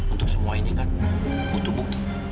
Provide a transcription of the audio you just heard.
untuk semua ini kan butuh bukti